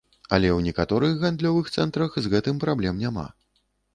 Але ў некаторых гандлёвых цэнтрах з гэтым праблем няма.